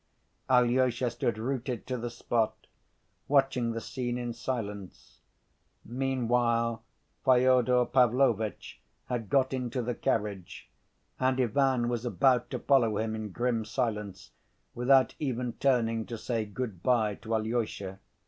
Alyosha stood rooted to the spot, watching the scene in silence. Meanwhile, Fyodor Pavlovitch had got into the carriage, and Ivan was about to follow him in grim silence without even turning to say good‐by to Alyosha.